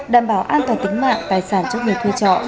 đảm bảo an toàn tính mạng tài sản cho người thuê trọ